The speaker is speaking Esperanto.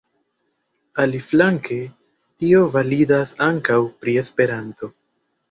Aliflanke, tio validas ankaŭ pri Esperanto.